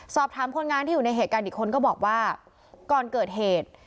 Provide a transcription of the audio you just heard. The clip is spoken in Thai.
สอบถามคนงานที่อยู่ในเหตุการณ์อีกคนก็บอกว่าก่อนเกิดเหตุ